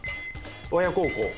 親孝行。